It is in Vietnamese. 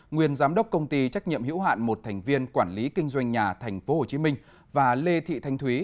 nguyên giám đốc công ty trách nhiệm hiểu hạn một thành viên quản lý kinh doanh nhà tp hcm và lê thị thanh thúy